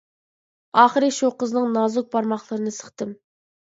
ئاخىرى شۇ قىزنىڭ نازۇك بارماقلىرىنى سىقتىم.